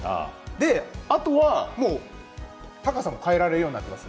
あとは高さも変えられるようになっています。